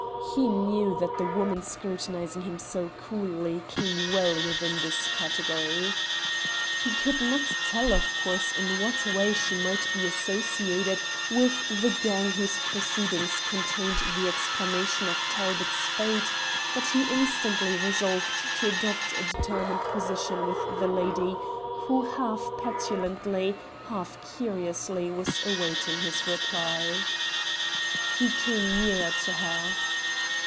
He knew that the woman scrutinizing him so coolly came well within this category. He could not tell, of course, in what way she might be associated with the gang whose proceedings contained the explanation of Talbot's fate, but he instantly resolved to adopt a determined position with the lady who half petulantly, half curiously, was awaiting his reply. He came nearer to her.